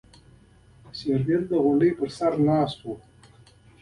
شېرګل د غونډۍ سر ته ناست و.